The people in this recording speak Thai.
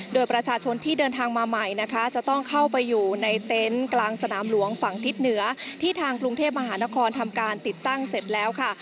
โดยประชาชนที่เดินทางมาใหม่นะคะจะต้องเข้าไปอยู่ในเต็นต์กลางสนามหลวงฝั่งทิศเหนือที่ทางกรุงเทพมหานครทำการติดตั้งเสร็จแล้วค่ะ